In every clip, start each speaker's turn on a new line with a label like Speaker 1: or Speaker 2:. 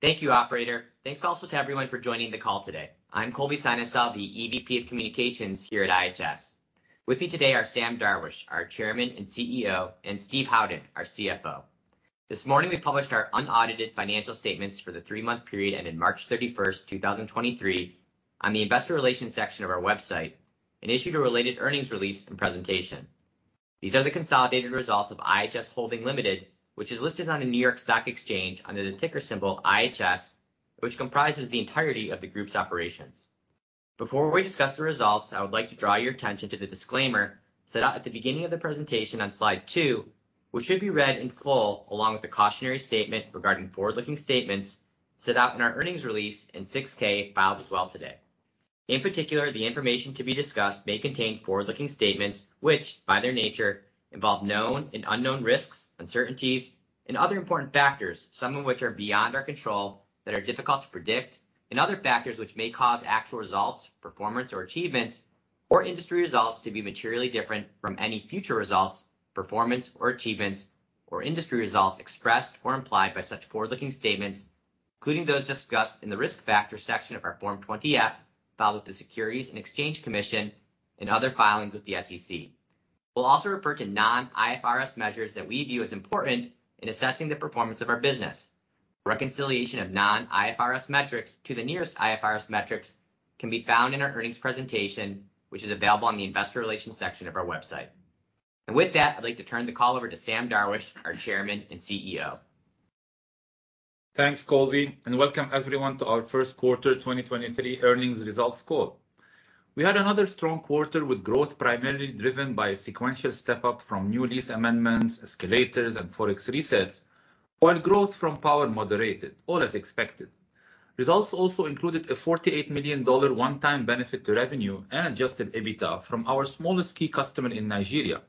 Speaker 1: Thank you, operator. Thanks also to everyone for joining the call today. I'm Colby Synesael, the EVP of Communications here at IHS. With me today are Sam Darwish, our Chairman and CEO, and Steve Howden, our CFO. This morning, we published our unaudited financial statements for the three-month period ending 31 March 2023 on the investor relations section of our website, and issued a related earnings release and presentation. These are the consolidated results of IHS Holding Limited, which is listed on the New York Stock Exchange under the ticker symbol IHS, which comprises the entirety of the group's operations. Before we discuss the results, I would like to draw your attention to the disclaimer set out at the beginning of the presentation on slide two, which should be read in full along with the cautionary statement regarding forward-looking statements set out in our earnings release and 6-K filed as well today. In particular, the information to be discussed may contain forward-looking statements, which by their nature involve known and unknown risks, uncertainties, and other important factors, some of which are beyond our control that are difficult to predict. And other factors which may cause actual results, performance or achievements or industry results to be materially different from any future results, performance or achievements or industry results expressed or implied by such forward-looking statements, including those discussed in the Risk Factors section of our Form 20-F filed with the Securities and Exchange Commission and other filings with the SEC. We'll also refer to non-IFRS measures that we view as important in assessing the performance of our business. Reconciliation of non-IFRS metrics to the nearest IFRS metrics can be found in our earnings presentation, which is available on the investor relations section of our website. With that, I'd like to turn the call over to Sam Darwish, our Chairman and CEO.
Speaker 2: Thanks, Colby. Welcome everyone to our Q1 2023 earnings results call. We had another strong quarter with growth primarily driven by a sequential step-up from new lease amendments, escalators, and Forex resets, while growth from power moderated, all as expected. Results also included a $48 million one-time benefit to revenue and adjusted EBITDA from our smallest key customer in Nigeria,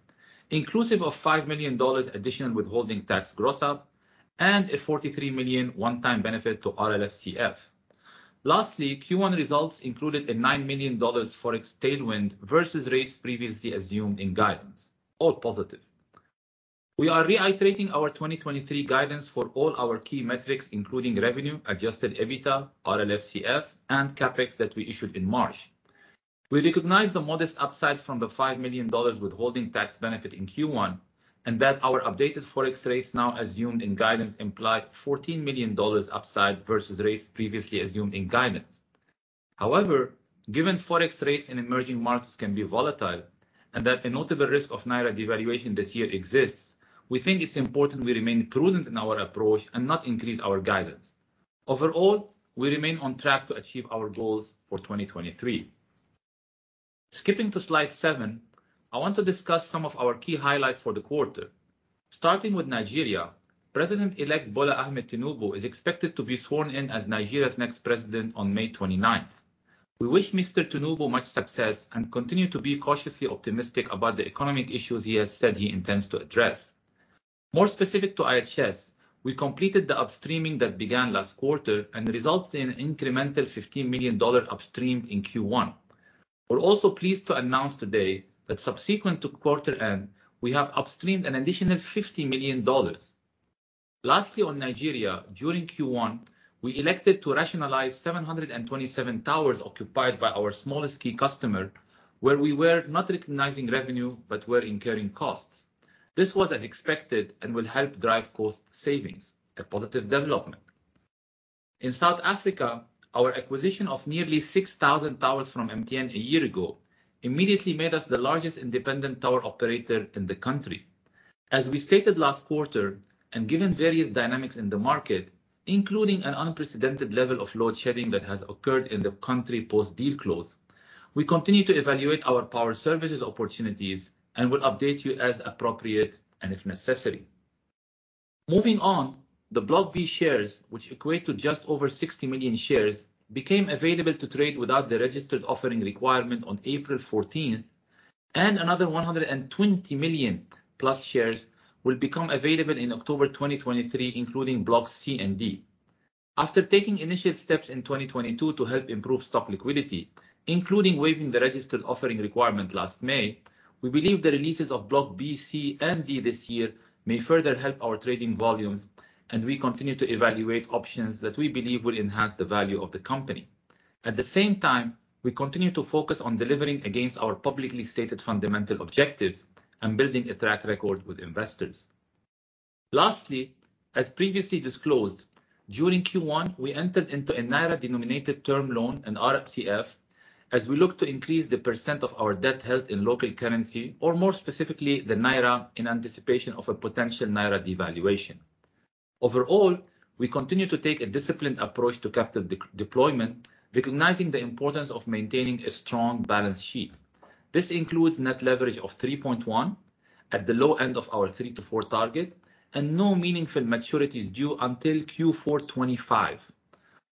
Speaker 2: inclusive of $5 million additional withholding tax gross up and a $43 million one-time benefit to RLFCF. Lastly, Q1 results included a $9 million Forex tailwind versus rates previously assumed in guidance, all positive. We are reiterating our 2023 guidance for all our key metrics, including revenue, adjusted EBITDA, RLFCF, and CapEx that we issued in March. We recognize the modest upside from the $5 million withholding tax benefit in Q1, and that our updated Forex rates now assumed in guidance imply $14 million upside versus rates previously assumed in guidance. However, given Forex rates in emerging markets can be volatile and that a notable risk of Naira devaluation this year exists, we think it's important we remain prudent in our approach and not increase our guidance. Overall, we remain on track to achieve our goals for 2023. Skipping to slide seven, I want to discuss some of our key highlights for the quarter. Starting with Nigeria, President-elect Bola Ahmed Tinubu is expected to be sworn in as Nigeria's next president on 29 May. We wish Mr. Tinubu much success and continue to be cautiously optimistic about the economic issues he has said he intends to address. More specific to IHS, we completed the upstreaming that began last quarter and resulted in incremental $15 million upstream in Q1. We're also pleased to announce today that subsequent to quarter end, we have upstreamed an additional $50 million. On Nigeria, during Q1, we elected to rationalize 727 towers occupied by our smallest key customer, where we were not recognizing revenue but were incurring costs. This was as expected and will help drive cost savings, a positive development. In South Africa, our acquisition of nearly 6,000 towers from MTN a year ago immediately made us the largest independent tower operator in the country. As we stated last quarter, and given various dynamics in the market, including an unprecedented level of load shedding that has occurred in the country post deal close, we continue to evaluate our power services opportunities and will update you as appropriate and if necessary. Moving on, the Block B Shares, which equate to just over $60 million shares, became available to trade without the registered offering requirement on 14 April, and another $120 million+ shares will become available in October 2023, including Blocks C and D. After taking initial steps in 2022 to help improve stock liquidity, including waiving the registered offering requirement last May, we believe the releases of Block B, C and D this year may further help our trading volumes, and we continue to evaluate options that we believe will enhance the value of the company. At the same time, we continue to focus on delivering against our publicly stated fundamental objectives and building a track record with investors. Lastly, as previously disclosed, during Q1, we entered into a Naira-denominated term loan and RCF as we look to increase the percent of our debt held in local currency, or more specifically, the Naira in anticipation of a potential Naira devaluation. Overall, we continue to take a disciplined approach to capital de-deployment, recognizing the importance of maintaining a strong balance sheet. This includes net leverage of 3.1x at the low end of our 3x to 4x target and no meaningful maturities due until Q4 2025.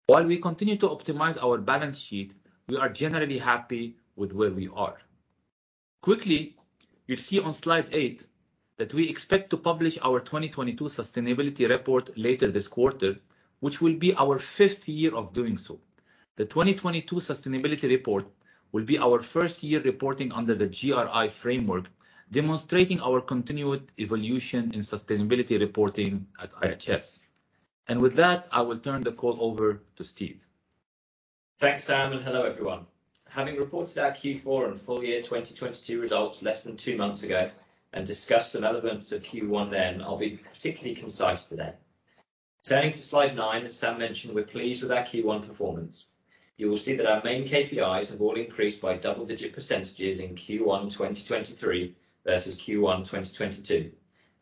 Speaker 2: While we continue to optimize our balance sheet, we are generally happy with where we are. Quickly, you'll see on slide eight that we expect to publish our 2022 sustainability report later this quarter, which will be our fifth year of doing so. The 2022 sustainability report will be our first year reporting under the GRI framework, demonstrating our continued evolution in sustainability reporting at IHS. With that, I will turn the call over to Steve.
Speaker 3: Thanks, Sam, hello, everyone. Having reported our Q4 and full year 2022 results less than two months ago and discussed some elements of Q1 then, I'll be particularly concise today. Turning to slide nine, as Sam mentioned, we're pleased with our Q1 performance. You will see that our main KPIs have all increased by double-digit percentages in Q1 2023 versus Q1 2022,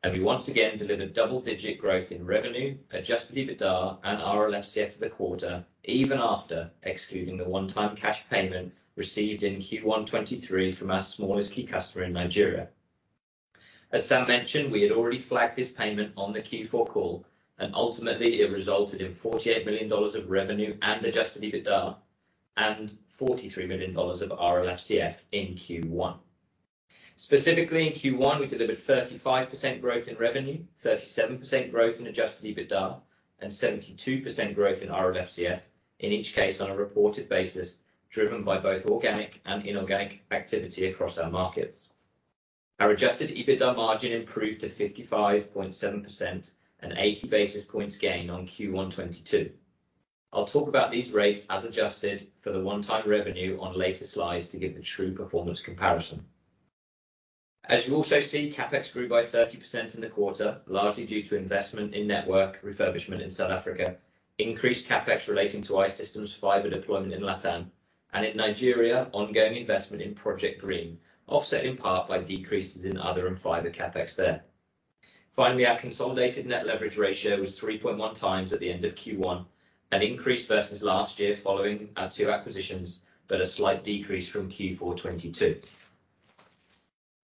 Speaker 3: and we once again delivered double-digit growth in revenue, adjusted EBITDA, and RLFCF for the quarter, even after excluding the one-time cash payment received in Q1 2023 from our smallest key customer in Nigeria. As Sam mentioned, we had already flagged this payment on the Q4 call, and ultimately it resulted in $48 million of revenue and adjusted EBITDA, and $43 million of RLFCF in Q1. Specifically, in Q1, we delivered 35% growth in revenue, 37% growth in adjusted EBITDA, and 72% growth in RLFCF, in each case on a reported basis driven by both organic and inorganic activity across our markets. Our adjusted EBITDA margin improved to 55.7%, an 80 basis points gain on Q1 '22. I'll talk about these rates as adjusted for the one-time revenue on later slides to give the true performance comparison. As you also see, CapEx grew by 30% in the quarter, largely due to investment in network refurbishment in South Africa, increased CapEx relating to I-Systems fiber deployment in LATAM, and in Nigeria, ongoing investment in Project Green offset in part by decreases in other and fiber CapEx there. Finally, our consolidated net leverage ratio was 3.1x at the end of Q1, an increase versus last year following our two acquisitions, but a slight decrease from Q4 2022.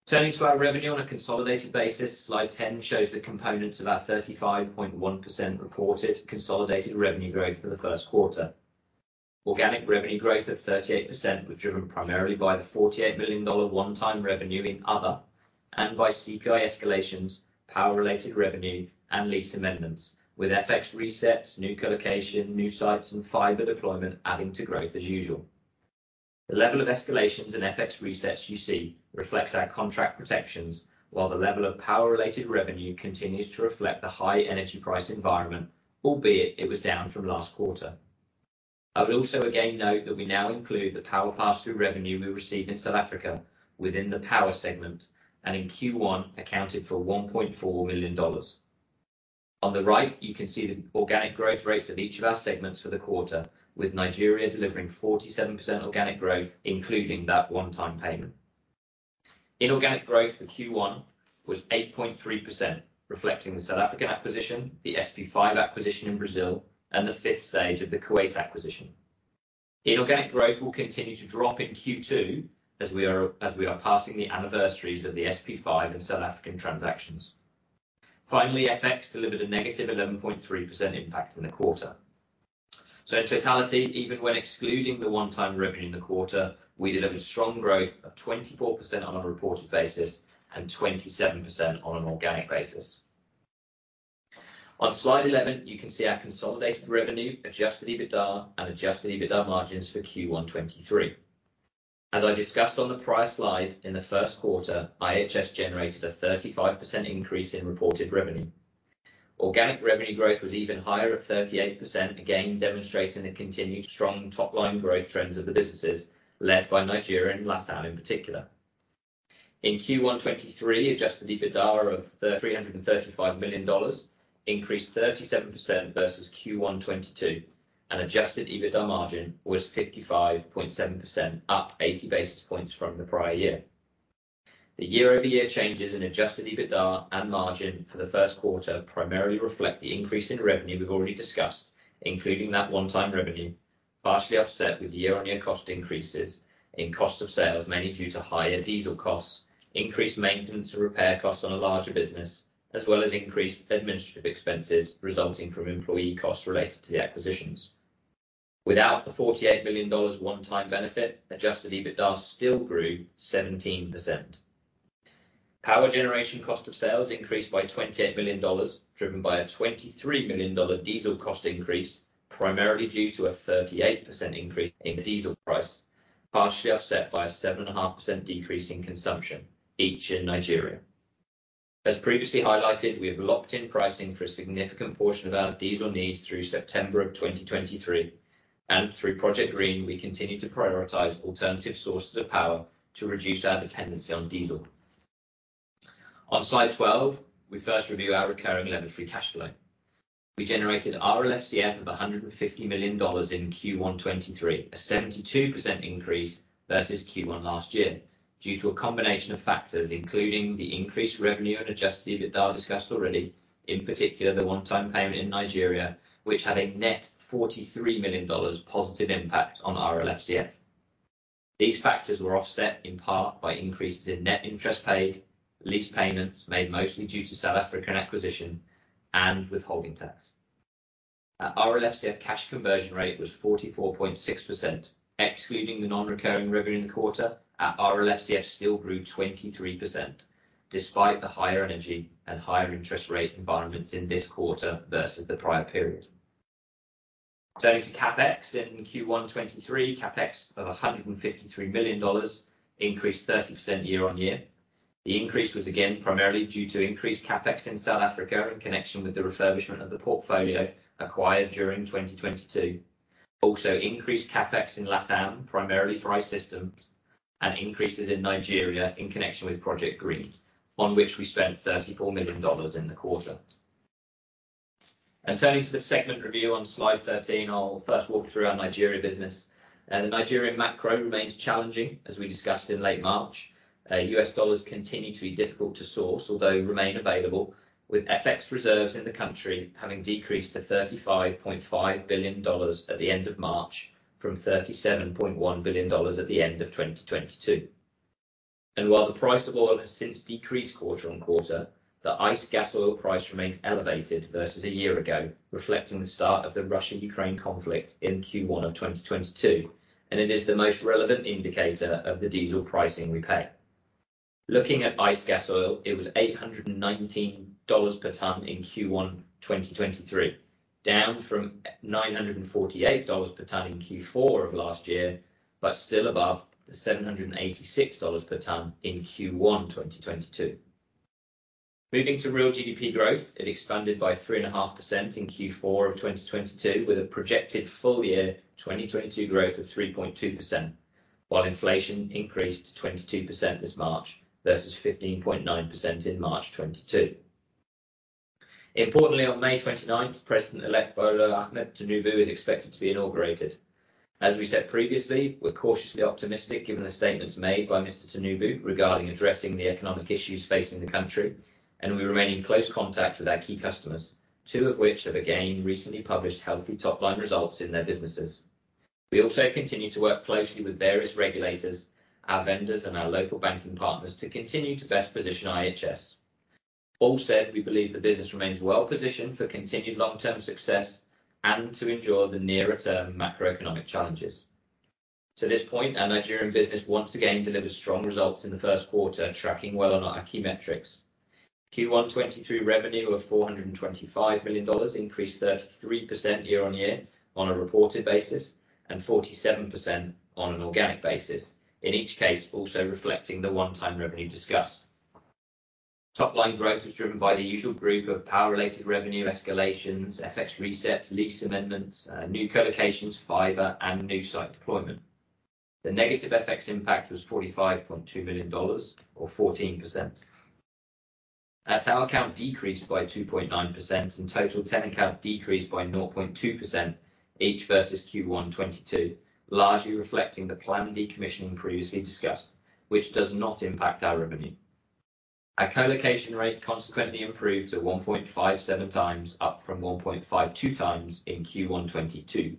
Speaker 3: Turning to our revenue on a consolidated basis, slide 10 shows the components of our 35.1% reported consolidated revenue growth for the Q1. Organic revenue growth of 38% was driven primarily by the $48 million one-time revenue in other, and by CPI escalations, power-related revenue, and lease amendments, with FX resets, new colocation, new sites, and fiber deployment adding to growth as usual. The level of escalations and FX resets you see reflects our contract protections, while the level of power-related revenue continues to reflect the high energy price environment, albeit it was down from last quarter. I would also again note that we now include the power pass-through revenue we received in South Africa within the power segment, and in Q1 accounted for $1.4 million. On the right, you can see the organic growth rates of each of our segments for the quarter, with Nigeria delivering 47% organic growth, including that one-time payment. Inorganic growth for Q1 was 8.3%, reflecting the South African acquisition, the SP5 acquisition in Brazil, and the fifth stage of the Kuwait acquisition. Inorganic growth will continue to drop in Q2 as we are passing the anniversaries of the SP5 and South African transactions. FX delivered a negative 11.3% impact in the quarter. In totality, even when excluding the one-time revenue in the quarter, we delivered strong growth of 24% on a reported basis and 27% on an organic basis. On Slide 11, you can see our consolidated revenue, adjusted EBITDA, and adjusted EBITDA margins for Q1 2023. As I discussed on the prior slide, in the Q1, IHS generated a 35% increase in reported revenue. Organic revenue growth was even higher at 38%, again demonstrating the continued strong top-line growth trends of the businesses led by Nigeria and LATAM in particular. In Q1 2023, adjusted EBITDA of $335 million increased 37% versus Q1 2022, and adjusted EBITDA margin was 55.7%, up 80 basis points from the prior year. The year-over-year changes in adjusted EBITDA and margin for the Q1 primarily reflect the increase in revenue we've already discussed, including that one-time revenue, partially offset with year-on-year cost increases in cost of sales, mainly due to higher diesel costs, increased maintenance and repair costs on a larger business, as well as increased administrative expenses resulting from employee costs related to the acquisitions. Without the $48 million one-time benefit, adjusted EBITDA still grew 17%. Power generation cost of sales increased by $28 million, driven by a $23 million diesel cost increase, primarily due to a 38% increase in diesel price, partially offset by a 7.5% decrease in consumption, each in Nigeria. As previously highlighted, we have locked in pricing for a significant portion of our diesel needs through September 2023, and through Project Green, we continue to prioritize alternative sources of power to reduce our dependency on diesel. On slide 12, we first review our recurring levered free cash flow. We generated RLFCF of $150 million in Q1 2023, a 72% increase versus Q1 last year due to a combination of factors, including the increased revenue and adjusted EBITDA discussed already, in particular, the one-time payment in Nigeria, which had a net $43 million positive impact on RLFCF. These factors were offset in part by increases in net interest paid, lease payments made mostly due to South African acquisition, and withholding tax. Our RLFCF cash conversion rate was 44.6%. Excluding the non-recurring revenue in the quarter, our RLFCF still grew 23%. Despite the higher energy and higher interest rate environments in this quarter versus the prior period. Turning to CapEx in Q1 2023, CapEx of $153 million increased 30% year-on-year. The increase was again primarily due to increased CapEx in South Africa in connection with the refurbishment of the portfolio acquired during 2022. Increased CapEx in LATAM, primarily for I-Systems and increases in Nigeria in connection with Project Green, on which we spent $34 million in the quarter. Turning to the segment review on slide 13, I'll first walk through our Nigeria business. The Nigerian macro remains challenging, as we discussed in late March. U.S. dollars continue to be difficult to source, although remain available, with FX reserves in the country having decreased to $35.5 billion at the end of March from $37.1 billion at the end of 2022. While the price of oil has since decreased quarter-on-quarter, the ICE Gasoil price remains elevated versus a year ago, reflecting the start of the Russia-Ukraine conflict in Q1 2022, and it is the most relevant indicator of the diesel pricing we pay. Looking at ICE Gasoil, it was $819 per ton in Q1 2023, down from $948 per ton in Q4 last year, but still above the $786 per ton in Q1 2022. Moving to real GDP growth, it expanded by 3.5% in Q4 of 2022, with a projected full year 2022 growth of 3.2%, while inflation increased to 22% this March versus 15.9% in March 2022. Importantly, on 29 May President-elect Bola Ahmed Tinubu is expected to be inaugurated. As we said previously, we're cautiously optimistic given the statements made by Mr. Tinubu regarding addressing the economic issues facing the country, and we remain in close contact with our key customers, two of which have again recently published healthy top-line results in their businesses. We also continue to work closely with various regulators, our vendors, and our local banking partners to continue to best position IHS. All said, we believe the business remains well-positioned for continued long-term success and to endure the nearer-term macroeconomic challenges. To this point, our Nigerian business once again delivered strong results in the Q1, tracking well on our key metrics. Q1 '2023 revenue of $425 million increased 33% year-on-year on a reported basis, and 47% on an organic basis. In each case, also reflecting the one-time revenue discussed. Top-line growth was driven by the usual group of power-related revenue escalations, FX resets, lease amendments, new collocations, fiber, and new site deployment. The negative FX impact was $45.2 million or 14%. Our tower count decreased by 2.9%, and total tenant count decreased by 0.2%, each versus Q1 '2022, largely reflecting the planned decommissioning previously discussed, which does not impact our revenue. Our colocation rate consequently improved to 1.57x, up from 1.52x in Q1 '2022.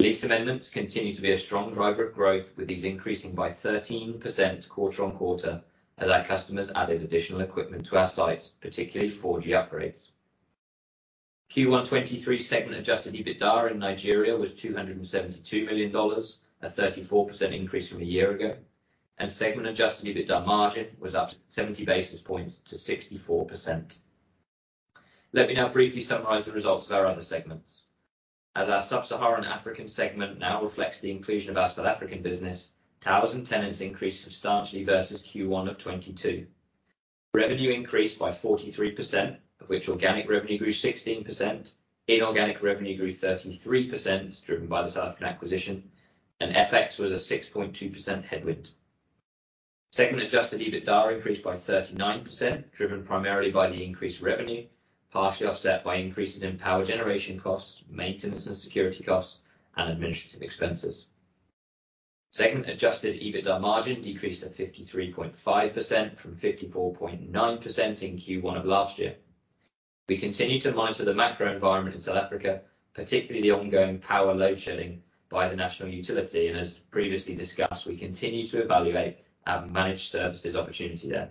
Speaker 3: Lease amendments continue to be a strong driver of growth, with these increasing by 13% quarter-on-quarter as our customers added additional equipment to our sites, particularly 4G upgrades. Q1 2023 segment adjusted EBITDA in Nigeria was $272 million, a 34% increase from a year ago, and segment adjusted EBITDA margin was up 70 basis points to 64%. Let me now briefly summarize the results of our other segments. As our Sub-Saharan African segment now reflects the inclusion of our South African business, towers and tenants increased substantially versus Q1 2022. Revenue increased by 43%, of which organic revenue grew 16%, inorganic revenue grew 33%, driven by the South African acquisition, and FX was a 6.2% headwind. Segment adjusted EBITDA increased by 39%, driven primarily by the increased revenue, partially offset by increases in power generation costs, maintenance and security costs, and administrative expenses. Segment adjusted EBITDA margin decreased to 53.5% from 54.9% in Q1 of last year. We continue to monitor the macro environment in South Africa, particularly the ongoing power load-shedding by the national utility, as previously discussed, we continue to evaluate our managed services opportunity there.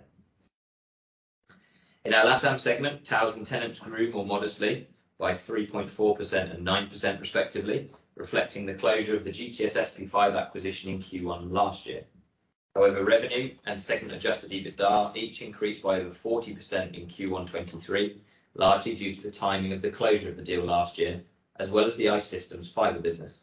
Speaker 3: In our LATAM segment, towers and tenants grew more modestly by 3.4% and 9% respectively, reflecting the closure of the GTS' SP5 acquisition in Q1 last year. Revenue and segment adjusted EBITDA each increased by over 40% in Q1 2023, largely due to the timing of the closure of the deal last year, as well as the I-Systems fiber business.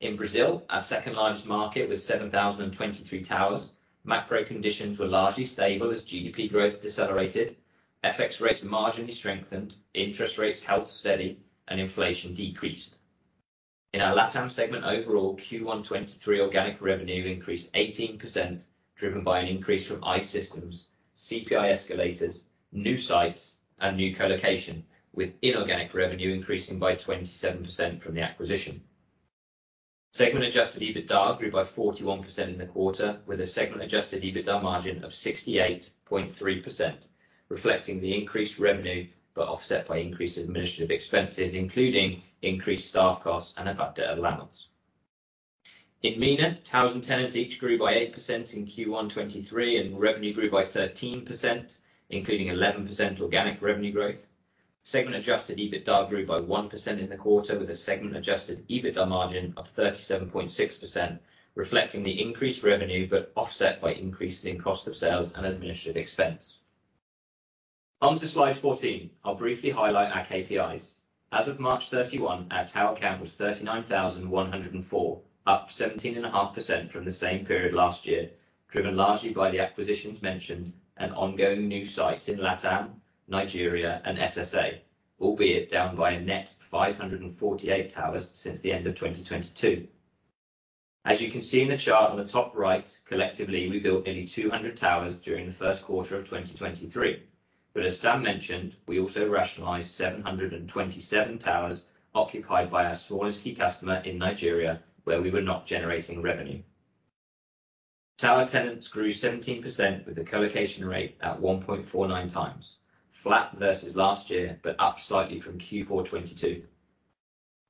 Speaker 3: In Brazil, our second-largest market with 7,023 towers, macro conditions were largely stable as GDP growth decelerated, FX rates marginally strengthened, interest rates held steady, and inflation decreased. In our LATAM segment overall, Q1 '2023 organic revenue increased 18%, driven by an increase from I-Systems, CPI escalators, new sites, and new colocation, with inorganic revenue increasing by 27% from the acquisition. Segment adjusted EBITDA grew by 41% in the quarter, with a segment adjusted EBITDA margin of 68.3%, reflecting the increased revenue but offset by increased administrative expenses, including increased staff costs and a bad debt allowance. In MENA, towers and tenants each grew by 8% in Q1 2023, and revenue grew by 13%, including 11% organic revenue growth. Segment adjusted EBITDA grew by 1% in the quarter, with a segment adjusted EBITDA margin of 37.6%, reflecting the increased revenue, but offset by increases in cost of sales and administrative expense. Onto slide 14, I'll briefly highlight our KPIs. As of 31 March, our tower count was 39,104, up 17.5% from the same period last year, driven largely by the acquisitions mentioned and ongoing new sites in LatAm, Nigeria, and SSA, albeit down by a net 548 towers since the end of 2022. As you can see in the chart on the top right, collectively, we built nearly 200 towers during the Q1 of 2023. As Sam mentioned, we also rationalized 727 towers occupied by our smallest key customer in Nigeria, where we were not generating revenue. Tower tenants grew 17% with the co-location rate at 1.49x, flat versus last year, but up slightly from Q4 2022.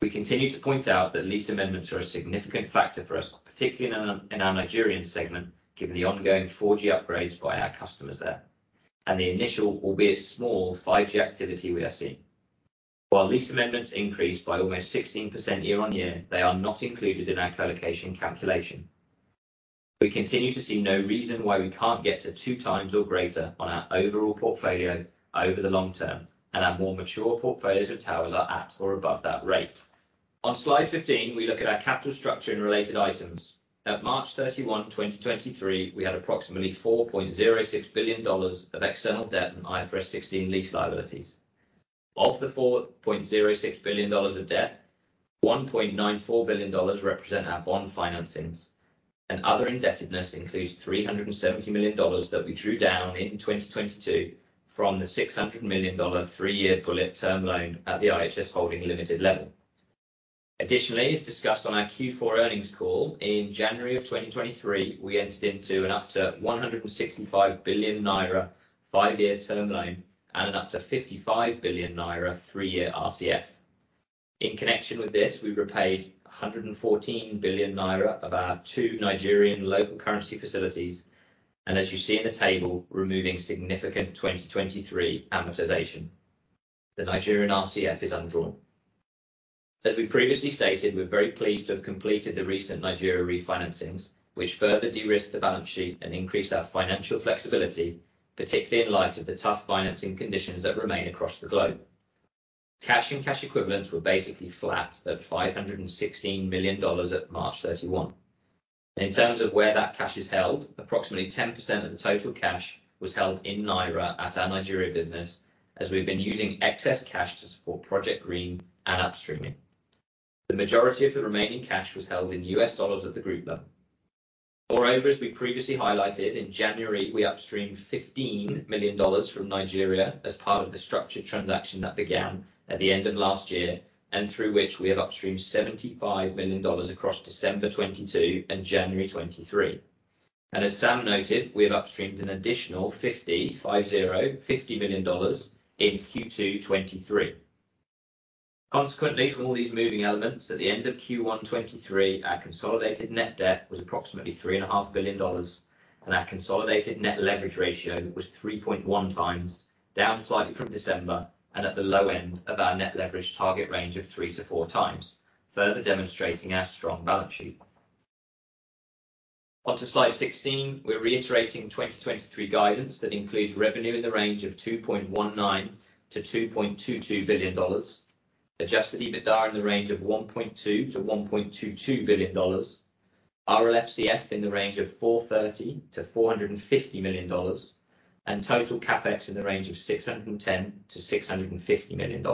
Speaker 3: We continue to point out that lease amendments are a significant factor for us, particularly in our Nigerian segment, given the ongoing 4G upgrades by our customers there. The initial, albeit small, 5G activity we are seeing. While lease amendments increased by almost 16% year-on-year, they are not included in our co-location calculation. We continue to see no reason why we can't get to 2x or greater on our overall portfolio over the long term, and our more mature portfolios of towers are at or above that rate. On slide 15, we look at our capital structure and related items. At 31 March 2023, we had approximately $4.06 billion of external debt and IFRS 16 lease liabilities. Of the $4.06 billion of debt, $1.94 billion represent our bond financings, and other indebtedness includes $370 million that we drew down in 2022 from the $600 million three year bullet term loan at the IHS Holding Limited level. Additionally, as discussed on our Q4 earnings call, in January of 2023, we entered into an up to 165 billion naira five year term loan and an up to 55 billion naira three year RCF. In connection with this, we repaid 114 billion naira of our two Nigerian local currency facilities. As you see in the table, removing significant 2023 amortization. The Nigerian RCF is undrawn. As we previously stated, we're very pleased to have completed the recent Nigeria refinancings, which further de-risk the balance sheet and increase our financial flexibility, particularly in light of the tough financing conditions that remain across the globe. Cash and cash equivalents were basically flat at $516 million at 31 March. In terms of where that cash is held, approximately 10% of the total cash was held in naira at our Nigeria business, as we've been using excess cash to support Project Green and upstreaming. The majority of the remaining cash was held in US dollars at the group level. Moreover, as we previously highlighted, in January, we upstreamed $15 million from Nigeria as part of the structured transaction that began at the end of last year, and through which we have upstreamed $75 million across December 2022 and January 2023. As Sam noted, we have upstreamed an additional $50 million in Q2 2023. Consequently, from all these moving elements, at the end of Q1 2023, our consolidated net debt was approximately $3.5 billion, and our consolidated net leverage ratio was 3.1x, down slightly from December and at the low end of our net leverage target range of 3-4x, further demonstrating our strong balance sheet. Onto slide 16, we're reiterating 2023 guidance that includes revenue in the range of $2.19 to 2.22 billion, adjusted EBITDA in the range of $1.2 to 1.22 billion, RLCF in the range of $430 to 450 million, and total CapEx in the range of $610 to 650 million.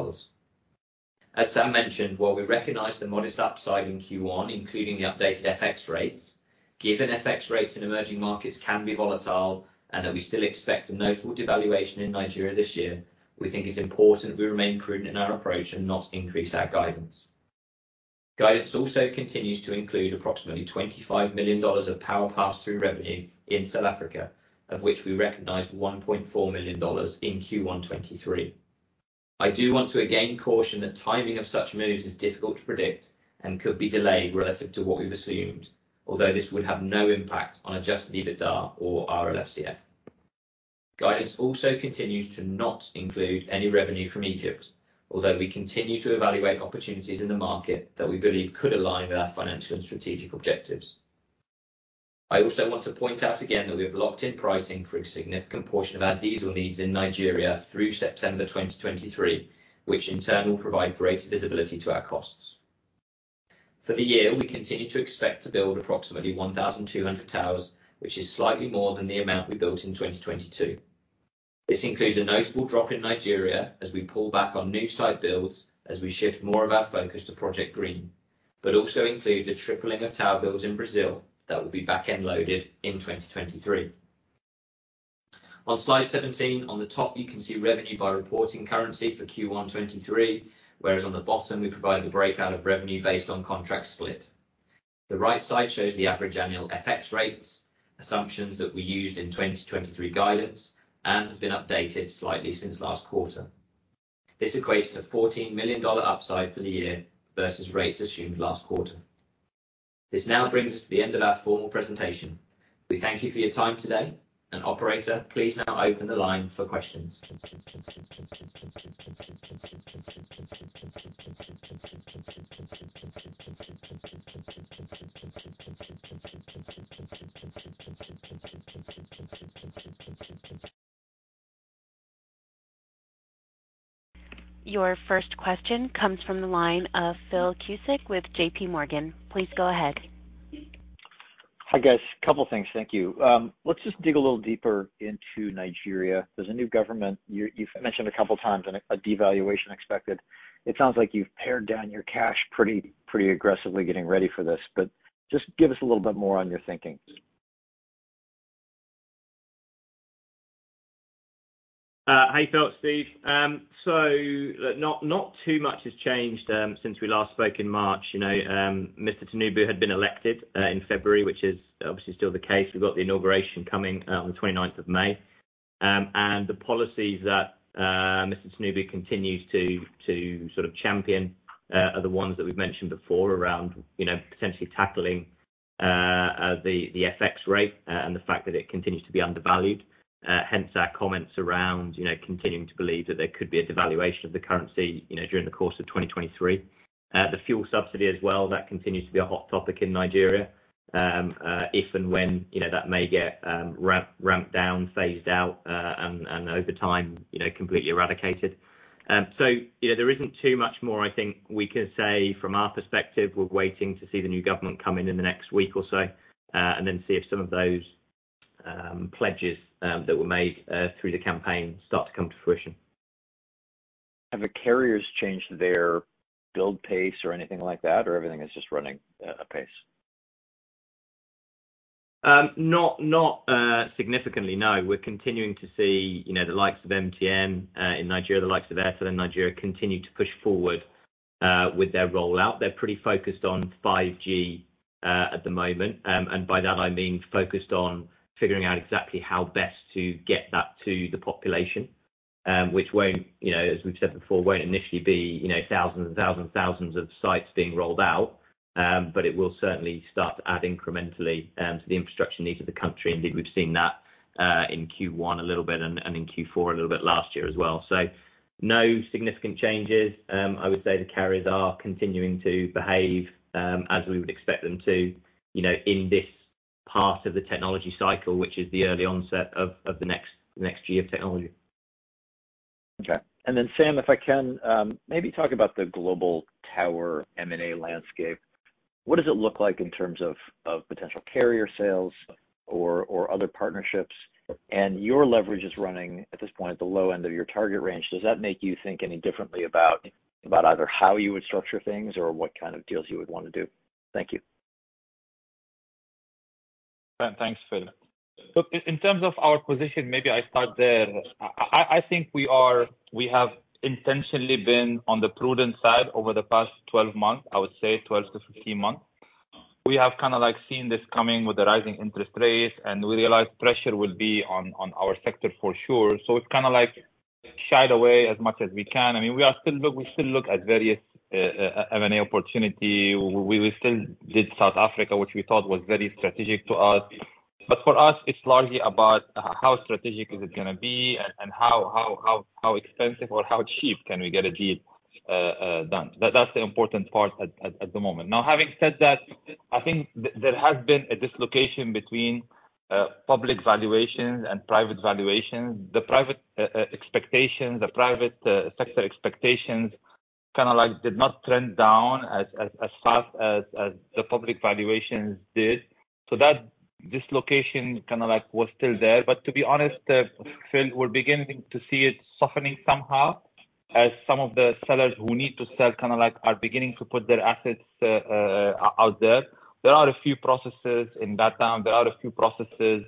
Speaker 3: As Sam mentioned, while we recognize the modest upside in Q1, including the updated FX rates, given FX rates in emerging markets can be volatile and that we still expect a notable devaluation in Nigeria this year, we think it's important we remain prudent in our approach and not increase our guidance. Guidance also continues to include approximately $25 million of power pass-through revenue in South Africa, of which we recognized $1.4 million in Q1 2023. I do want to again caution that timing of such moves is difficult to predict and could be delayed relative to what we've assumed, although this would have no impact on adjusted EBITDA or RLFCF. Guidance also continues to not include any revenue from Egypt, although we continue to evaluate opportunities in the market that we believe could align with our financial and strategic objectives. I also want to point out again that we have locked in pricing for a significant portion of our diesel needs in Nigeria through September 2023, which in turn will provide greater visibility to our costs. For the year, we continue to expect to build approximately 1,200 towers, which is slightly more than the amount we built in 2022. This includes a notable drop in Nigeria as we pull back on new site builds as we shift more of our focus to Project Green, but also includes a tripling of tower builds in Brazil that will be back-end loaded in 2023. On slide 17, on the top you can see revenue by reporting currency for Q1 '2023, whereas on the bottom, we provide the breakout of revenue based on contract split. The right side shows the average annual FX rates, assumptions that we used in 2023 guidance, and has been updated slightly since last quarter. This equates to a $14 million upside for the year versus rates assumed last quarter. This now brings us to the end of our formal presentation. We thank you for your time today. Operator, please now open the line for questions.
Speaker 4: Your first question comes from the line of Philip Cusick with JP Morgan. Please go ahead.
Speaker 5: Hi, guys. Couple things, thank you. Let's just dig a little deeper into Nigeria. There's a new government. You've mentioned a couple of times and a devaluation expected. It sounds like you've pared down your cash pretty aggressively getting ready for this. Just give us a little bit more on your thinking.
Speaker 3: Hi, Phil, Steve. Not too much has changed since we last spoke in March. You know, Mr. Tinubu had been elected in February, which is obviously still the case we've got the inauguration coming on the 29 May. The policies that Mr. Tinubu continues to sort of champion are the ones that we've mentioned before around, you know, potentially tackling the FX rate and the fact that it continues to be undervalued. Hence our comments around, you know, continuing to believe that there could be a devaluation of the currency, you know, during the course of 2023. The fuel subsidy as well, that continues to be a hot topic in Nigeria. If and when, you know, that may get ramp down, phased out, and over time, you know, completely eradicated. You know, there isn't too much more I think we can say from our perspective we're waiting to see the new government come in in the next week or so, and then see if some of those pledges that were made through the campaign start to come to fruition.
Speaker 5: Have the carriers changed their build pace or anything like that, or everything is just running a pace?
Speaker 3: Not, not significantly, no we're continuing to see, you know, the likes of MTN in Nigeria, the likes of Airtel in Nigeria, continue to push forward with their rollout they're pretty focused on 5G at the moment. By that I mean focused on figuring out exactly how best to get that to the population, which won't, you know, as we've said before, won't initially be, you know, thousands and thousands and thousands of sites being rolled out. It will certainly start to add incrementally to the infrastructure needs of the country indeed, we've seen that in Q1 a little bit and in Q4 a little bit last year as well. No significant changes. I would say the carriers are continuing to behave, as we would expect them to, you know, in this part of the technology cycle, which is the early onset of the next G of technology.
Speaker 5: Okay. Sam, if I can, maybe talk about the global tower M&A landscape. What does it look like in terms of potential carrier sales or other partnerships? Your leverage is running at this point at the low end of your target range does that make you think any differently about either how you would structure things or what kind of deals you would wanna do? Thank you.
Speaker 2: Thanks, Phil. Look, in terms of our position, maybe I start there. I think we have intentionally been on the prudent side over the past 12 months, I would say 12 to 15 months. We have kinda like seen this coming with the rising interest rates, we realize pressure will be on our sector for sure. It's kinda like shied away as much as we can i mean, we still look at various M&A opportunity. We still did South Africa, which we thought was very strategic to us. For us it's largely about how strategic is it gonna be and how expensive or how cheap can we get a deal done. That's the important part at the moment. Having said that, I think there has been a dislocation between public valuations and private valuations. The private expectations, the private sector expectations, kinda like did not trend down as fast as the public valuations did. That dislocation kinda like was still there to be honest, Phil, we're beginning to see it softening somehow as some of the sellers who need to sell kinda like are beginning to put their assets out there. There are a few processes in Bat town. There are a few processes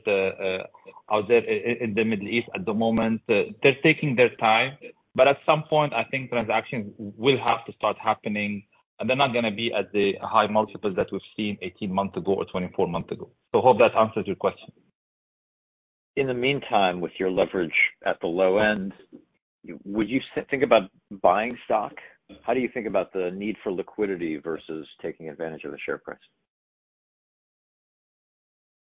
Speaker 2: out there in the Middle East at the moment. They're taking their time, at some point, I think transactions will have to start happening, and they're not gonna be at the high multiples that we've seen 18 months ago or 24 months ago. Hope that answers your question?
Speaker 5: In the meantime, with your leverage at the low end, would you think about buying stock? How do you think about the need for liquidity versus taking advantage of the share price?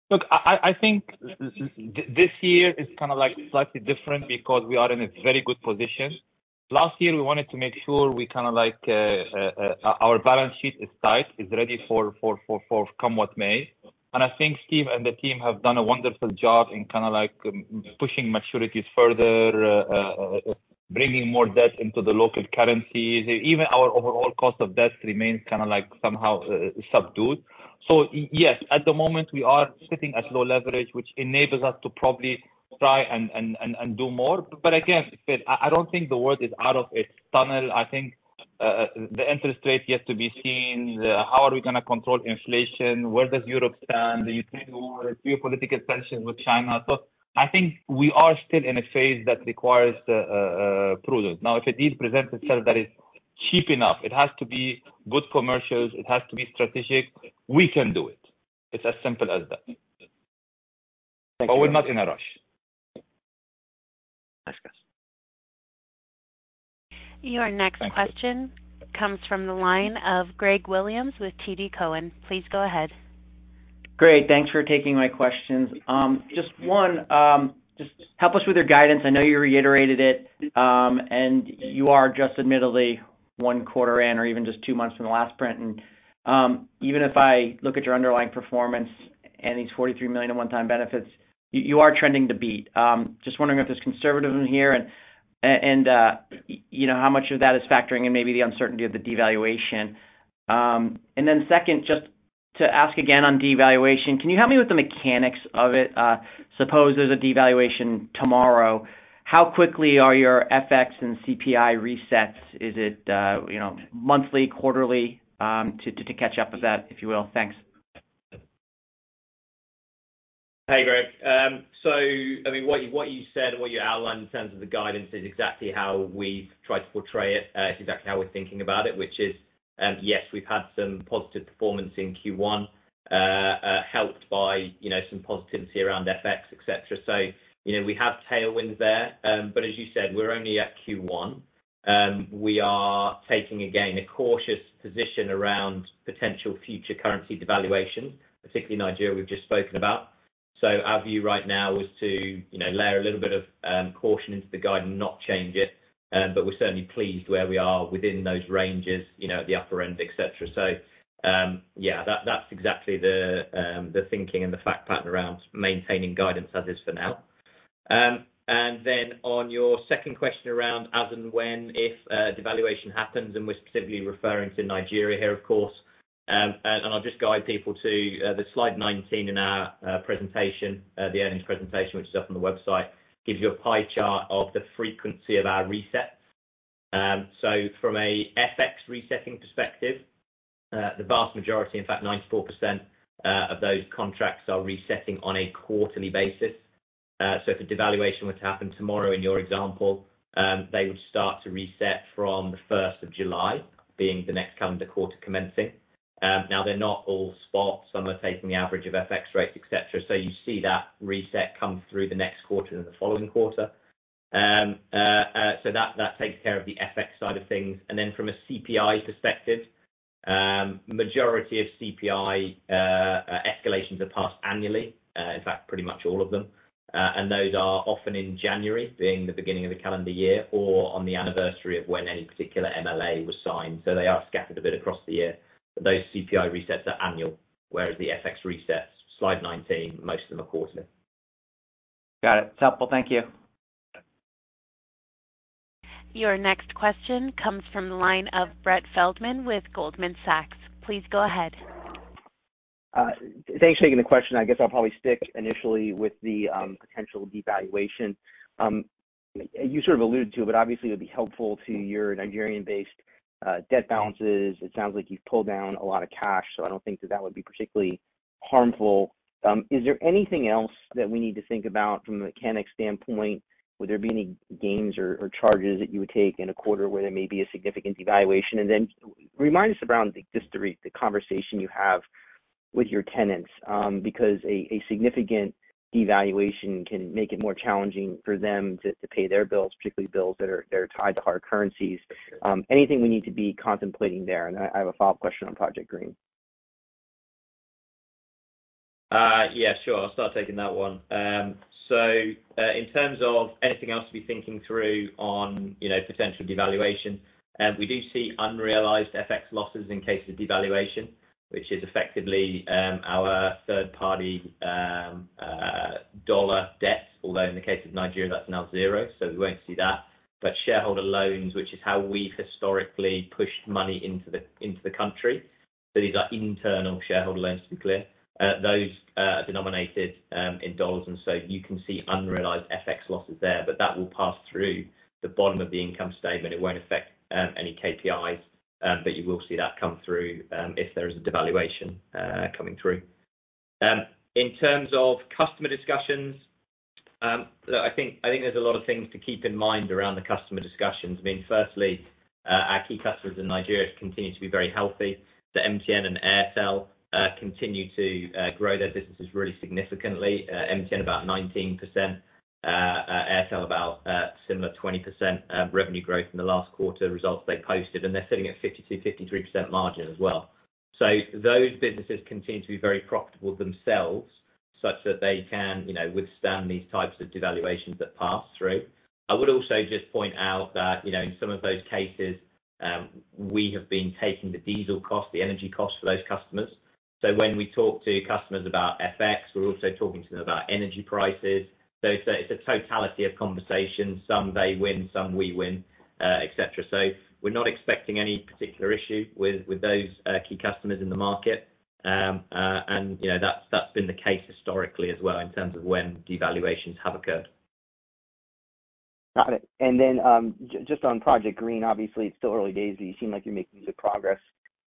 Speaker 2: Look, I think this year is kinda like slightly different because we are in a very good position. Last year, we wanted to make sure we kinda like our balance sheet is tight, is ready for come what may. I think Steve and the team have done a wonderful job in kinda like pushing maturities further, bringing more debt into the local currencies even our overall cost of debt remains kinda like somehow subdued. Yes, at the moment we are sitting at low leverage, which enables us to probably try and do more. Again, Phil, I don't think the world is out of its tunnel. I think the interest rate yet to be seen, how are we gonna control inflation? Where does Europe stand? The Ukraine war, geopolitical tension with China. I think we are still in a phase that requires prudence. If a deal presents itself that is cheap enough, it has to be good commercials, it has to be strategic, we can do it. It's as simple as that.
Speaker 5: Thank you.
Speaker 2: We're not in a rush.
Speaker 4: Your next question comes from the line of Gregory Williams with TD Cowen. Please go ahead.
Speaker 6: Great. Thanks for taking my questions. Just one, just help us with your guidance. I know you reiterated it, and you are just admittedly one quarter in or even just two months from the last print. Even if I look at your underlying performance and these $43 million in one-time benefits, you are trending to beat. Just wondering if there's conservatism here, you know, how much of that is factoring and maybe the uncertainty of the devaluation. Second, just to ask again on devaluation, can you help me with the mechanics of it? Suppose there's a devaluation tomorrow, how quickly are your FX and CPI resets? Is it, you know, monthly, quarterly, to catch up with that, if you will? Thanks.
Speaker 3: Hey, Greg. I mean, what you said and what you outlined in terms of the guidance is exactly how we've tried to portray it. It's exactly how we're thinking about it, which is, yes, we've had some positive performance in Q1, helped by, you know, some positivity around FX, et cetera. You know, we have tailwinds there. As you said, we're only at Q1. We are taking, again, a cautious position around potential future currency devaluation, particularly Nigeria we've just spoken about. Our view right now is to, you know, layer a little bit of caution into the guide and not change it. We're certainly pleased where we are within those ranges, you know, at the upper end, et cetera. Yeah, that's exactly the thinking and the fact pattern around maintaining guidance as is for now. Then on your second question around as and when if devaluation happens, and we're specifically referring to Nigeria here, of course, and I'll just guide people to the slide 19 in our presentation, the earnings presentation, which is up on the website, gives you a pie chart of the frequency of our resets. From a FX resetting perspective, the vast majority, in fact 94%, of those contracts are resetting on a quarterly basis. If a devaluation were to happen tomorrow, in your example, they would start to reset from the 1st of July being the next calendar quarter commencing. Now they're not all spot some are taking the average of FX rates, et cetera you see that reset come through the next quarter and the following quarter. That takes care of the FX side of things. Then from a CPI perspective, majority of CPI escalations are passed annually. In fact, pretty much all of them. Those are often in January, being the beginning of the calendar year or on the anniversary of when any particular MLA was signed they are scattered a bit across the year. Those CPI resets are annual, whereas the FX resets, slide 19, most of them are quarterly.
Speaker 6: Got it. Helpful. Thank you.
Speaker 4: Your next question comes from the line of Brett Feldman with Goldman Sachs. Please go ahead.
Speaker 7: Thanks for taking the question. I guess I'll probably stick initially with the potential devaluation. You sort of alluded to, but obviously it would be helpful to your Nigerian-based debt balances. It sounds like you've pulled down a lot of cash, so I don't think that that would be particularly harmful. Is there anything else that we need to think about from a mechanic standpoint? Would there be any gains or charges that you would take in a quarter where there may be a significant devaluation? Remind us around just the conversation you have with your tenants, because a significant devaluation can make it more challenging for them to pay their bills, particularly bills that are tied to hard currencies. Anything we need to be contemplating there? I have a follow-up question on Project Green.
Speaker 3: Yeah, sure. I'll start taking that one. In terms of anything else to be thinking through on, you know, potential devaluation, we do see unrealized FX losses in case of devaluation, which is effectively our third-party dollar debts although in the case of Nigeria, that's now zero, so we won't see that. Shareholder loans, which is how we've historically pushed money into the country. These are internal shareholder loans, to be clear. Those are denominated in dollars, you can see unrealized FX losses there, but that will pass through the bottom of the income statement it won't affect any KPIs, but you will see that come through if there is a devaluation coming through. In terms of customer discussions, there's a lot of things to keep in mind around the customer discussions. Firstly, our key customers in Nigeria continue to be very healthy. MTN and Airtel continue to grow their businesses really significantly. MTN about 19%, Airtel about similar 20% revenue growth in the last quarter results they posted they're sitting at 52%-53% margin as well. Those businesses continue to be very profitable themselves, such that they can, you know, withstand these types of devaluations that pass through. I would also just point out that, you know, in some of those cases, we have been taking the diesel cost, the energy cost for those customers. When we talk to customers about FX, we're also talking to them about energy prices. It's a totality of conversations. Some they win, some we win, et cetera we're not expecting any particular issue with those key customers in the market. You know, that's been the case historically as well in terms of when devaluations have occurred.
Speaker 7: Got it. Just on Project Green, obviously it's still early days, but you seem like you're making good progress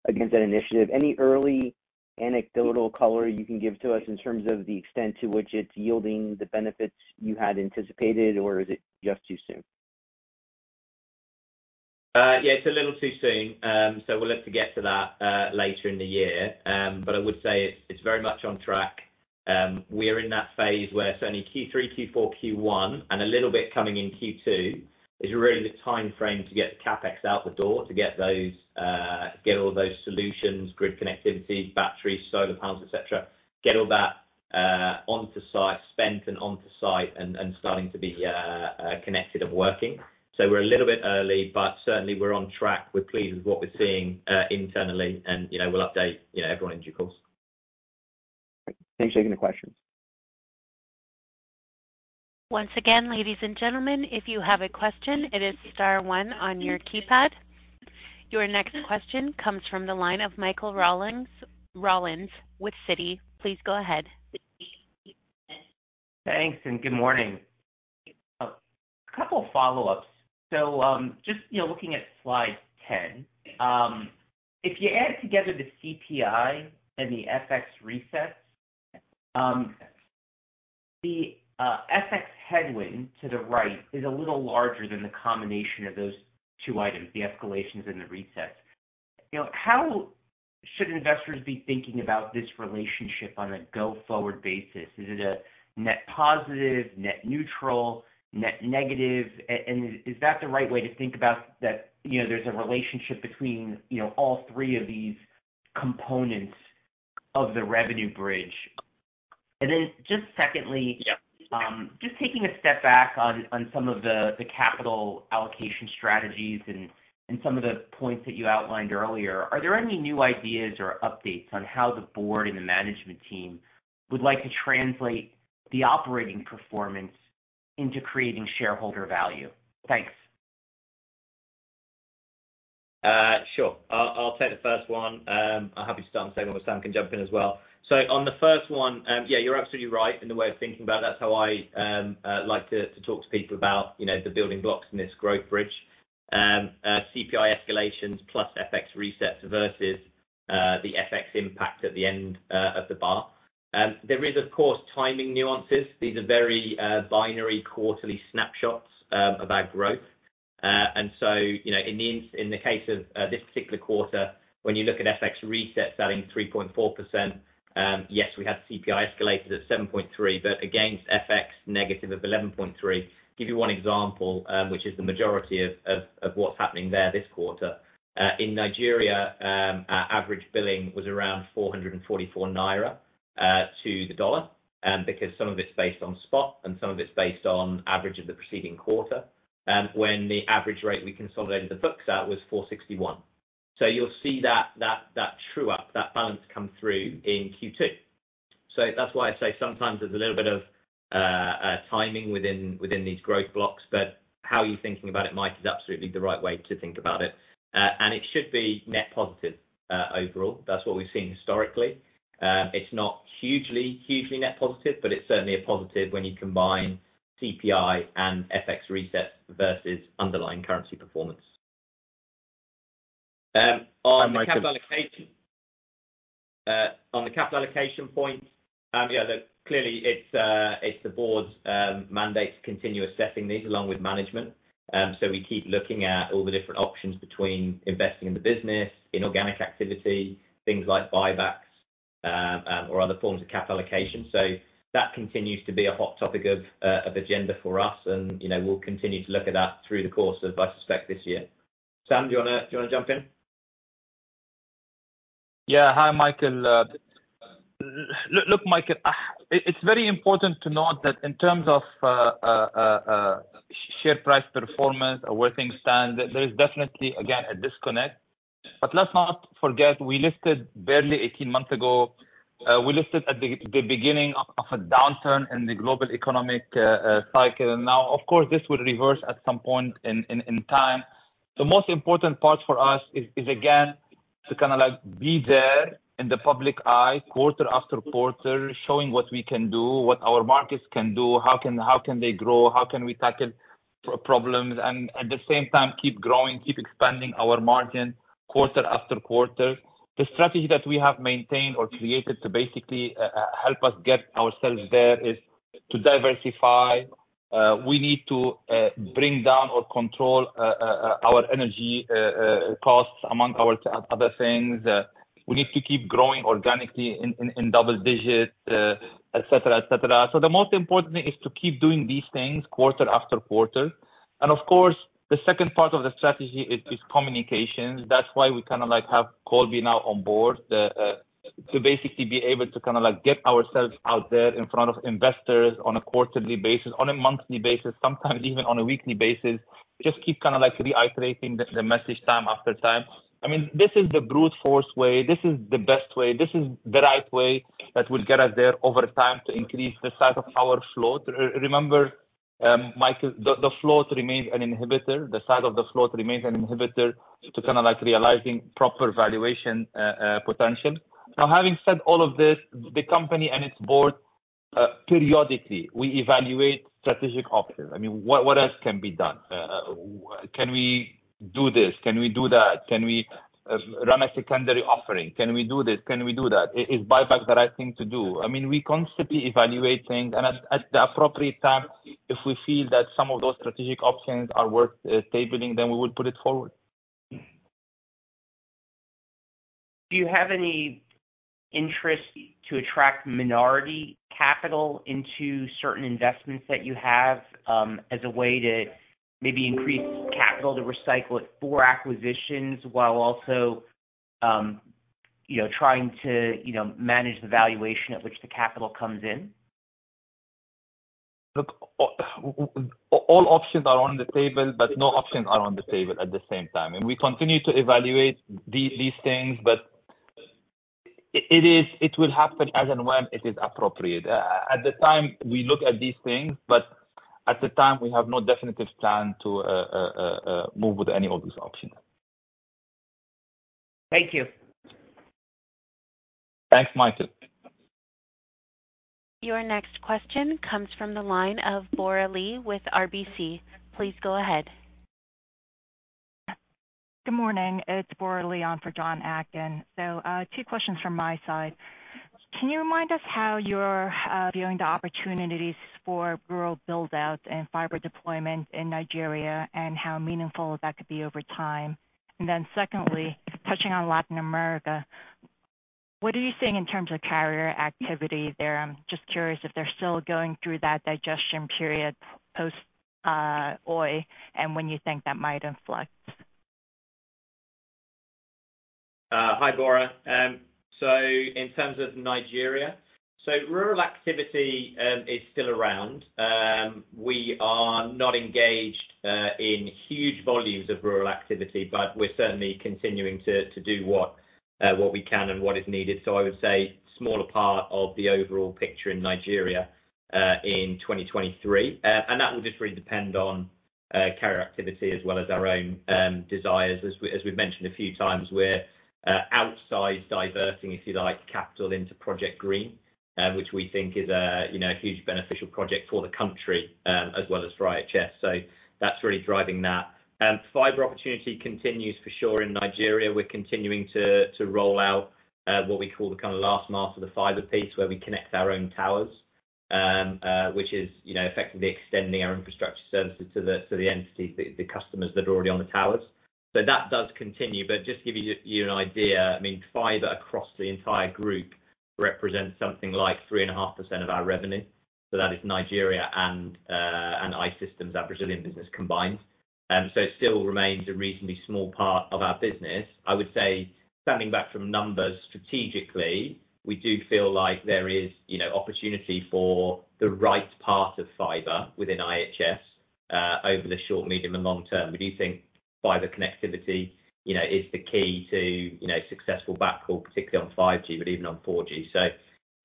Speaker 7: against that initiative. Any early anecdotal color you can give to us in terms of the extent to which it's yielding the benefits you had anticipated, or is it just too soon?
Speaker 3: Still too soon. We'll look to get to that later in the year. I would say it's very much on track. We're in that phase where certainly Q3, Q4, Q1, and a little bit coming in Q2 is really the timeframe to get the CapEx out the door to get those, get all those solutions, grid connectivity, batteries, solar panels, et cetera. Get all that onto site, spent and onto site and starting to be connected and working. We're a little bit early, but certainly we're on track we're pleased with what we're seeing internally and, you know, we'll update, you know, everyone due course.
Speaker 7: Thanks for taking the questions.
Speaker 4: Once again, ladies and gentlemen, if you have a question, it is star one on your keypad. Your next question comes from the line of Michael Rollins with Citi Please go ahead.
Speaker 8: Thanks and good morning. A couple of follow-ups. Just, you know, looking at slide 10, if you add together the CPI and the FX resets, the FX headwind to the right is a little larger than the combination of those two items, the escalations and the resets. You know, how should investors be thinking about this relationship on a go-forward basis? Is it a net positive, net neutral, net negative? Is that the right way to think about that, you know, there's a relationship between, you know, all three of these components of the revenue bridge? Just secondly-
Speaker 3: Yeah.
Speaker 8: Just taking a step back on some of the capital allocation strategies and some of the points that you outlined earlier are there any new ideas or updates on how the board and the management team would like to translate the operating performance into creating shareholder value? Thanks.
Speaker 3: Sure. I'll take the first one. I'm happy to start and Sam can jump in as well. On the first one, yeah, you're absolutely right in the way of thinking about it that's how I like to talk to people about, you know, the building blocks in this growth bridge. CPI escalations plus FX resets versus the FX impact at the end of the bar. There is of course, timing nuances. These are very binary quarterly snapshots of our growth. You know, in the case of this particular quarter, when you look at FX resets selling 3.4%, yes, we have CPI escalators at 7.3%, but against FX negative of 11.3%. Give you one example, which is the majority of what's happening there this quarter. In Nigeria, our average billing was around 444 naira to the dollars, because some of it's based on spot and some of it's based on average of the preceding quarter. When the average rate we consolidated the books out was 461. You'll see that true up, that balance come through in Q2. That's why I say sometimes there's a little bit of timing within these growth blocks, but how you're thinking about it, Mike, is absolutely the right way to think about it. It should be net positive overall that's what we've seen historically. It's not hugely net positive, but it's certainly a positive when you combine CPI and FX resets versus underlying currency performance. On the capital allocation point, clearly, it's the board's mandate to continue assessing these along with management. So we keep looking at all the different options between investing in the business, inorganic activity, things like buybacks, or other forms of capital allocation. That continues to be a hot topic of agenda for us. You know, we'll continue to look at that through the course of, I suspect this year. Sam, do you wanna jump in?
Speaker 2: Yeah. Hi, Michael. Look, Michael, it's very important to note that in terms of share price performance or where things stand, there is definitely, again, a disconnect. Let's not forget, we listed barely 18 months ago. We listed at the beginning of a downturn in the global economic cycle. Of course, this will reverse at some point in time. The most important part for us is again, to kinda like be there in the public eye quarter after quarter, showing what we can do, what our markets can do, how can they grow, how can we tackle pro-problems, and at the same time, keep growing, keep expanding our margin quarter after quarter. The strategy that we have maintained or created to basically help us get ourselves there is to diversify. We need to bring down or control our energy costs among our other things. We need to keep growing organically in double digits, et cetera, et cetera the most important thing is to keep doing these things quarter after quarter. Of course, the second part of the strategy is communications. That's why we kinda like have Colby now on board to basically be able to kinda like get ourselves out there in front of investors on a quarterly basis, on a monthly basis, sometimes even on a weekly basis. Just keep kinda like reiterating the message time after time. I mean, this is the brute force way, this is the best way, this is the right way that will get us there over time to increase the size of our float remember, Michael, the float remains an inhibitor. The size of the float remains an inhibitor to kinda like realizing proper valuation potential. Having said all of this, the company and its board periodically, we evaluate strategic options. I mean, what else can be done? Can we do this? Can we do that? Can we run a secondary offering? Can we do this? Can we do that? Is buyback the right thing to do? I mean, we're constantly evaluating and at the appropriate time, if we feel that some of those strategic options are worth tabling, then we would put it forward.
Speaker 8: Do you have any interest to attract minority capital into certain investments that you have, as a way to maybe increase capital to recycle it for acquisitions while also, you know, trying to, you know, manage the valuation at which the capital comes in?
Speaker 2: Look, all options are on the table, but no options are on the table at the same time. We continue to evaluate these things, but It will happen as and when it is appropriate. At the time we look at these things, but at the time, we have no definitive plan to move with any of these options.
Speaker 8: Thank you.
Speaker 2: Thanks, Michael.
Speaker 4: Your next question comes from the line of Bora Lee with RBC. Please go ahead.
Speaker 9: Good morning. It's Bora Lee on for Jonathan Atkin. Two questions from my side. Can you remind us how you're viewing the opportunities for rural build-out and fiber deployment in Nigeria and how meaningful that could be over time? Secondly, touching on Latin America, what are you seeing in terms of carrier activity there? I'm just curious if they're still going through that digestion period post Oi, and when you think that might inflect.
Speaker 3: Hi, Bora. In terms of Nigeria, rural activity is still around. We are not engaged in huge volumes of rural activity, but we're certainly continuing to do what we can and what is needed i would say smaller part of the overall picture in Nigeria in 2023. That will just really depend on carrier activity as well as our own desires as we've mentioned a few times, we're outsized diverting, if you like, capital into Project Green, which we think is a, you know, a huge beneficial project for the country, as well as for IHS. That's really driving that. Fiber opportunity continues for sure in Nigeria we're continuing to roll out what we call the kinda last mile for the fiber piece where we connect our own towers, which is, you know, effectively extending our infrastructure services to the entities, the customers that are already on the towers. That does continue just to give you an idea, I mean, fiber across the entire group represents something like 3.5% of our revenue. That is Nigeria and I-Systems, our Brazilian business combined. It still remains a reasonably small part of our business. I would say standing back from numbers strategically, we do feel like there is, you know, opportunity for the right part of fiber within IHS over the short, medium, and long term we do think fiber connectivity, you know, is the key to, you know, successful backhaul, particularly on 5G, even on 4G.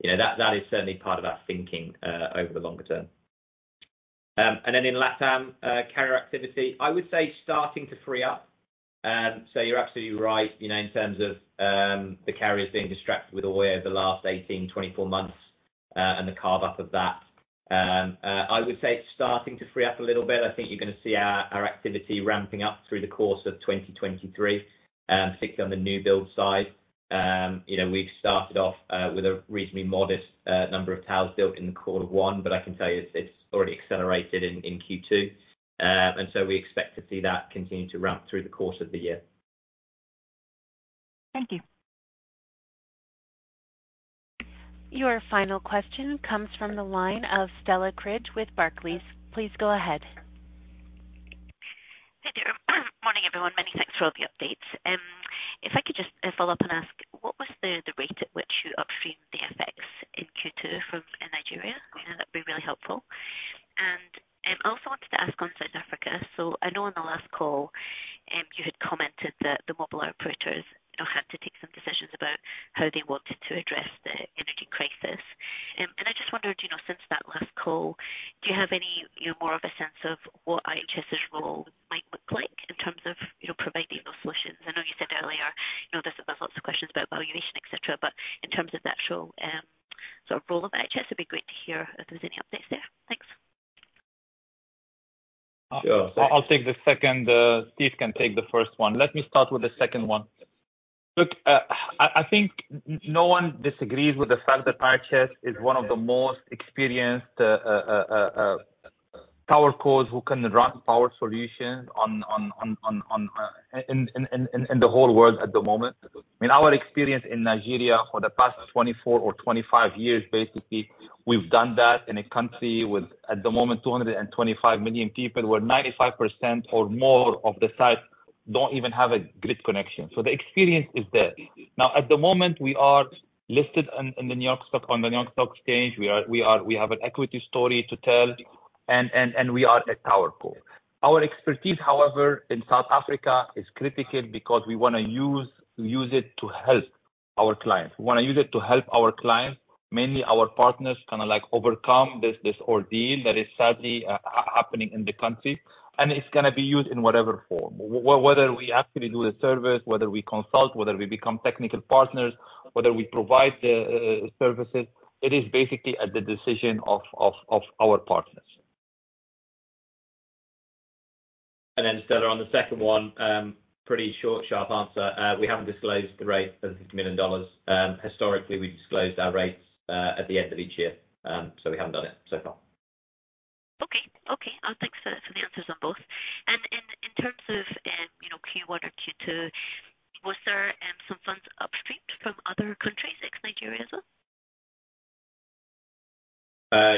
Speaker 3: You know, that is certainly part of our thinking over the longer term. In LatAm, carrier activity, I would say starting to free up. You're absolutely right, you know, in terms of the carriers being distracted with Oi over the last 18, 24 months, and the carve-up of that. I would say it's starting to free up a little bit i think you're gonna see our activity ramping up through the course of 2023, particularly on the new build side. You know, we've started off with a reasonably modest number of towers built in the Q1, I can tell you it's already accelerated in Q2. We expect to see that continue to ramp through the course of the year.
Speaker 9: Thank you.
Speaker 4: Your final question comes from the line of Stella Cridge with Barclays. Please go ahead.
Speaker 10: Hey there. Morning, everyone. Many thanks for all the updates. If I could just follow up and ask, what was the rate at which you upstreamed the effects in Q2 in Nigeria? You know, that'd be really helpful. I also wanted to ask on South Africa i know on the last call, you had commented that the mobile operators, you know, had to take some decisions about how they wanted to address the energy crisis. I just wondered, you know, since that last call, do you have any, you know, more of a sense of what IHS's role might look like in terms of, you know, providing those solutions? I know you said earlier, you know, there's lots of questions about valuation, et cetera. In terms of the actual, sort of role of IHS, it'd be great to hear if there's any updates there. Thanks.
Speaker 2: Sure. I'll take the second. Steve can take the first one. Let me start with the second one. Look, I think no one disagrees with the fact that IHS is one of the most experienced TowerCo who can run power solutions on in the whole world at the moment. I mean, our experience in Nigeria for the past 24 or 25 years, basically, we've done that in a country with, at the moment, 225 million people, where 95% or more of the sites don't even have a grid connection the experience is there. Now, at the moment, we are listed on the New York Stock Exchange. We have an equity story to tell, and we are a TowerCo. Our expertise, however, in South Africa is critical because we wanna use it to help our clients. We wanna use it to help our clients, mainly our partners, kinda like overcome this ordeal that is sadly happening in the country. It's gonna be used in whatever form. Whether we actually do a service, whether we consult, whether we become technical partners, whether we provide the services, it is basically at the decision of our partners.
Speaker 3: Stella, on the second one, pretty short, sharp answer. We haven't disclosed the rate for the $50 million. Historically, we disclosed our rates at the end of each year. We haven't done it so far.
Speaker 10: Okay. Okay. Thanks for the answers on both. In terms of, you know, Q1 or Q2, was there some funds upstreamed from other countries ex Nigeria as well?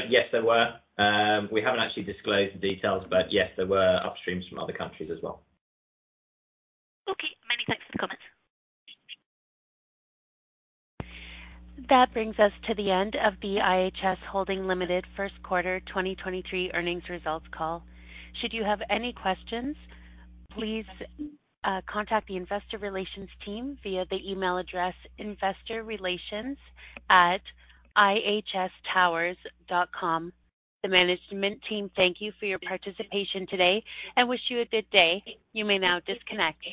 Speaker 3: Yes, there were. We haven't actually disclosed the details, but yes, there were upstreams from other countries as well.
Speaker 10: Okay. Many thanks for the comments.
Speaker 4: That brings us to the end of the IHS Holding Limited Q1 2023 earnings results call. Should you have any questions, please contact the investor relations team via the email address investorrelations@ihstowers.com. The management team thank you for your participation today and wish you a good day. You may now disconnect.